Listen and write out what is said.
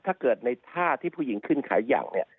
ถ้าเกิดในท่าที่ผู้หญิงขึ้นขายอย่างเนี่ย